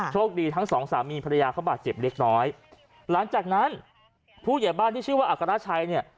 โชคดีทั้งสองสามีภรรยาเขาบาดเจ็บเล็กน้อยหลังจากนั้นผู้ใหญ่บ้านที่ชื่อว่าอัคราชัยเนี่ย